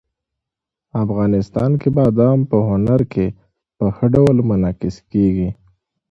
افغانستان کې بادام په هنر کې په ښه ډول منعکس کېږي.